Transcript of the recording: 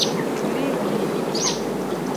Bili-bili.